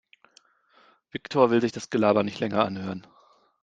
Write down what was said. Viktor will sich das Gelaber nicht länger anhören.